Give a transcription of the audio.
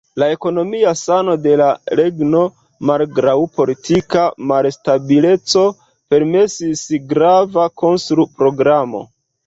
La ekonomia sano de la regno, malgraŭ politika malstabileco, permesis grava konstru-programo.